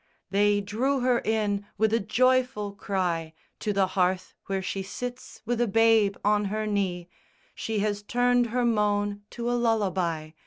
They drew her in with a joyful cry To the hearth where she sits with a babe on her knee, She has turned her moan to a lullaby.